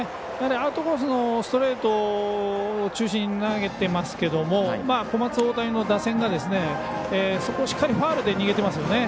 アウトコースのストレート中心に投げていますけれども小松大谷の打線がそこをしっかりファウルで逃げてますよね。